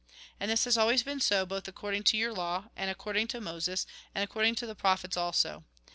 And this has always been so, both according to your law, and according to Moses, and according to the prophets also.